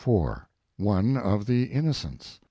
67 IV. ONE OF THE "INNOCENTS."